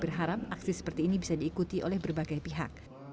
berharap aksi seperti ini bisa diikuti oleh berbagai pihak